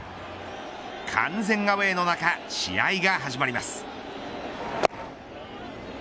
完全アウェーの中試合が始まります。